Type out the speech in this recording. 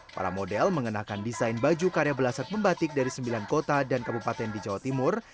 para model mengenakan desain baju karya belasan pembatik dari sembilan kota dan kabupaten di jawa timur